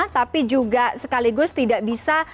tapi juga sekaligus tidak bisa